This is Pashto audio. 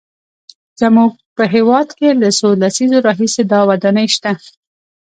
زموږ په هېواد کې له څو لسیزو راهیسې دا ودانۍ شته.